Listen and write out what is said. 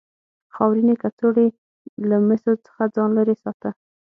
خاورینې کڅوړې له مسو څخه ځان لرې ساته.